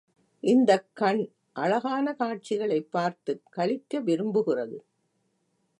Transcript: இந்தக் கண் அழகான காட்சிகளைப் பார்த்துக் களிக்க விரும்புகிறது.